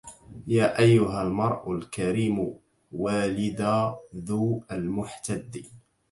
يا أيها المرء الكريم والدا ذو المحتد